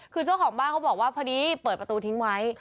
คือเจ้าของบ้านเขาบอกว่าพอดีเปิดประตูทิ้งไว้